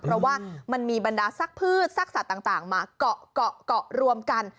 เพราะว่ามันมีบรรดาซักพืชซักสัตว์ต่างมาเกาะเกาะรวมกัน